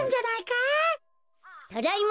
ただいま。